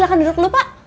silahkan duduk dulu pak